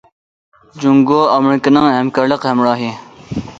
جۇڭگو ئامېرىكىنىڭ ھەمكارلىق ھەمراھى.